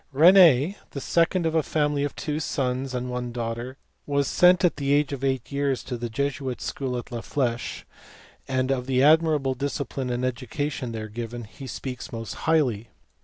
Rene, the second of a family of two sons and one daughter, was sent at the age of eight years to the Jesuit School at la Fleche, and of the admirable discipline and education there given he speaks most highly.